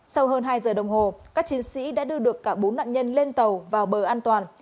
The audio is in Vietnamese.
sau hơn hai giờ đồng hồ các chiến sĩ đã đưa được cả bốn nạn nhân lên tàu vào bờ an toàn